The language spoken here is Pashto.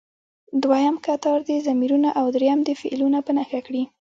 دویم کتار دې ضمیرونه او دریم دې فعلونه په نښه کړي.